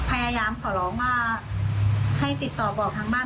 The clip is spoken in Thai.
พยายามขอร้องว่าให้ติดต่อบอกทางบ้าน